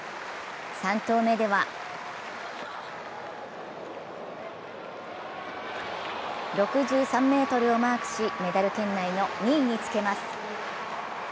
３投目では６３ｍをマークし、メダル圏内の２位につけます。